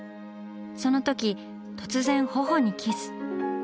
その時突然頬にキス。